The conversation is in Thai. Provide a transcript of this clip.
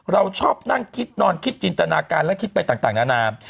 เราชอบนั่งคิดนอนคิดจินตนาการและคิดไปต่างนานา